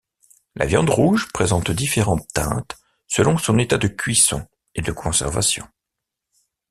La viande rouge présente différentes teintes selon son état de cuisson et de conservation.